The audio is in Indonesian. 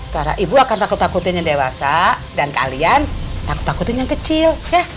karena ibu akan takut takutin yang dewasa dan kalian takut takutin yang kecil ya